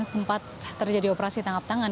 sempat terjadi operasi tangkap tangan